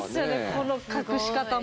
この隠し方も。